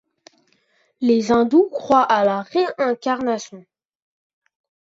Les hindous croient à la réincarnation.